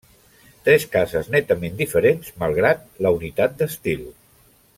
Tres cases netament diferents, malgrat la unitat d'estil.